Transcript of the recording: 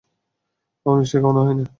আমার মিষ্টি খাওয়া হবে না।